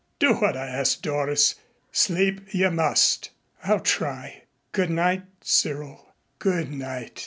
"Do what I ask, Doris. Sleep you must." "I'll try. Good night, Cyril." "Good night."